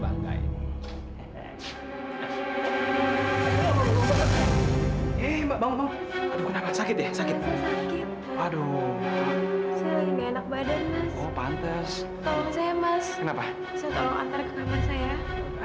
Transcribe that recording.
saya nggak enak badan mas